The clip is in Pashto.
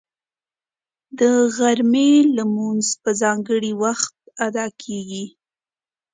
د غرمې لمونځ په ځانګړي وخت ادا کېږي